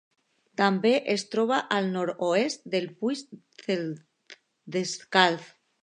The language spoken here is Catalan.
També es troba al nord-oest del Puig Descalç.